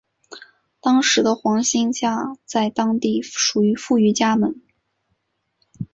当时的黄兴家在当地属于富裕家门。